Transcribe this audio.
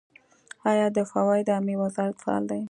آیا د فواید عامې وزارت فعال دی؟